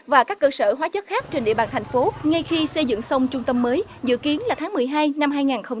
và các cơ sở hóa chất khác trên địa bàn thành phố ngay khi xây dựng xong trung tâm mới dự kiến là tháng một mươi hai năm hai nghìn hai mươi